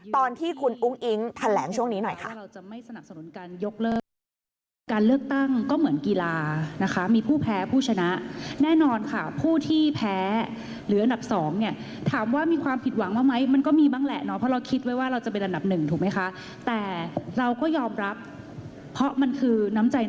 ตอนที่คุณอุ้งอิ๊งแถลงช่วงนี้หน่อยค่ะ